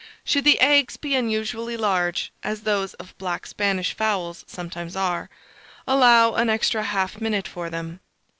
Should the eggs be unusually large, as those of black Spanish fowls sometimes are, allow an extra 1/2 minute for them.